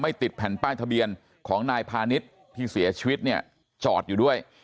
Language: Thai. ติดแผ่นป้ายทะเบียนของนายพาณิชย์ที่เสียชีวิตเนี่ยจอดอยู่ด้วย